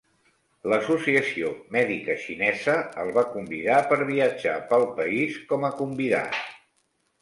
L'associació mèdica xinesa el va convidar per viatjar pel país com a convidat.